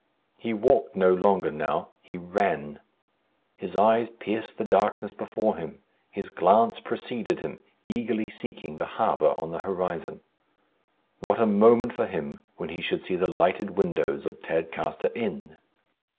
He walked no longer now; he ran. His eyes pierced the darkness before him. His glance preceded him, eagerly seeking the harbour on the horizon. What a moment for him when he should see the lighted windows of Tadcaster Inn!